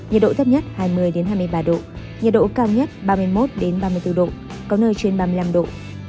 nhiệt độ thấp nhất hai mươi hai mươi ba độ nhiệt độ cao nhất ba mươi một ba mươi bốn độ có nơi trên ba mươi năm độ